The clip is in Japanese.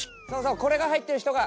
これが入ってる人が。